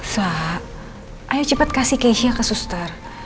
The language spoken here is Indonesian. sa ayo cepat kasih keisha ke suster